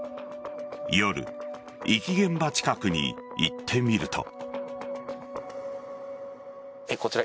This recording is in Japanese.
夜、遺棄現場近くに行ってみると。